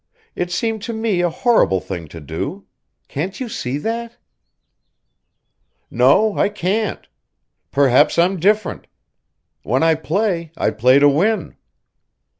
It seemed to me a horrible thing to do. Can't you see that?" "No, I can't. Perhaps I'm different. When I play I play to win."